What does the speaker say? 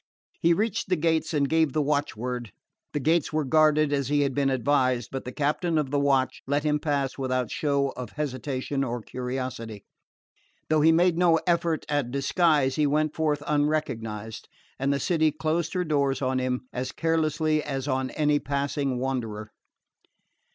He reached the gates and gave the watchword. The gates were guarded, as he had been advised; but the captain of the watch let him pass without show of hesitation or curiosity. Though he made no effort at disguise he went forth unrecognised, and the city closed her doors on him as carelessly as on any passing wanderer.